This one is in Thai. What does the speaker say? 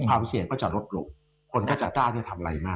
ภาพเสียงก็จะลดลงคนก็จับตาจะทำอะไรมาก